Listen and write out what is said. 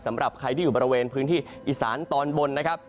สำหรับใครที่อยู่บริเวณพื้นที่อีสานตอนบนนะครับ